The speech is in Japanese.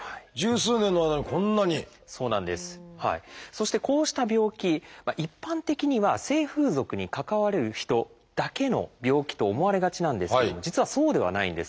そしてこうした病気一般的には性風俗に関わる人だけの病気と思われがちなんですけども実はそうではないんです。